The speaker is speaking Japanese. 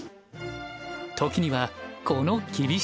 時にはこの厳しさ。